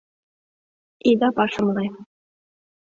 Ида пашымле!